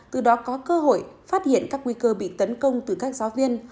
từ đó có cơ hội phát hiện các nguy cơ bị tấn công từ các giáo viên